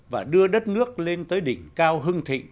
và đưa đất nước lên tới đỉnh cao hưng thịnh